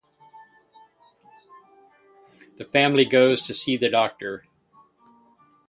The family goes to see a doctor.